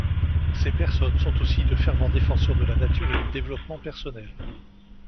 Ces personnes sont aussi de fervents défenseurs de la nature et du développement personnel.